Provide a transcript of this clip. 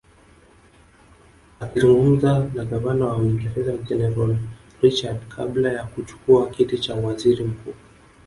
Akizungumza na Gavana wa Uingereza General Richard kabla ya kuchukua kiti cha uwaziri mkuu